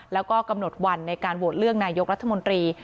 แล้วก็กำหนดวันในการโหวตเลือกนายกรัฐมนตรี